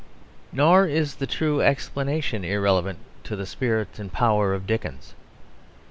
Nor is the true explanation irrelevant to the spirit and power of Dickens.